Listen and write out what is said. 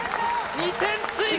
２点追加。